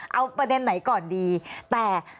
เอาประเด็นไหนก่อนดีแต่